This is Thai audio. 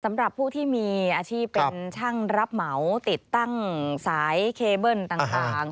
สำหรับผู้ที่มีอาชีพเป็นช่างรับเหมาติดตั้งสายเคเบิ้ลต่าง